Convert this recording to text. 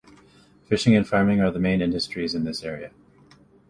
Fishing and farming are the main industries in this area.